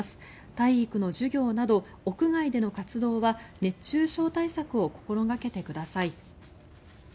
体育の授業など屋外での活動は熱中症対策を心掛けてください。